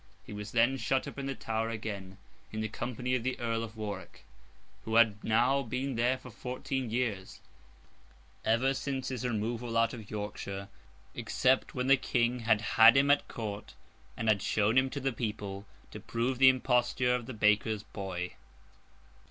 He was then shut up in the Tower again, in the company of the Earl of Warwick, who had now been there for fourteen years: ever since his removal out of Yorkshire, except when the King had had him at Court, and had shown him to the people, to prove the imposture of the Baker's boy.